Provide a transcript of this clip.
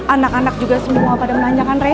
anak anak juga semua pada menanyakan rey